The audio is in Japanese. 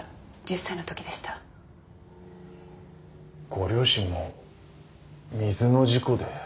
ご両親も水の事故で。